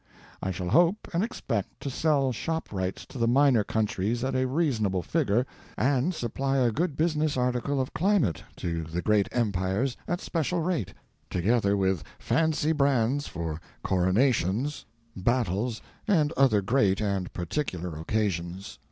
I shall hope and expect to sell shop rights to the minor countries at a reasonable figure and supply a good business article of climate to the great empires at special rates, together with fancy brands for coronations, battles and other great and particular occasions.